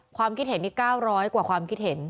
ความคิดเห็นนี่๙๐๐กว่าความคิดเห็น